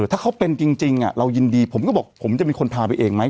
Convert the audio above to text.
เออถ้าเขาเป็นจริงจริงอ่ะเรายินดีผมก็บอกผมจะมีคนพาไปเองไหม